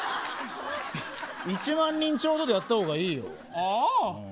１万人ちょうどでやった方がいいよ。